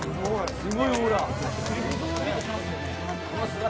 すごいオーラ。